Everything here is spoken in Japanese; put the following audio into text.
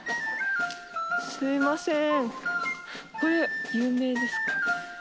すいません。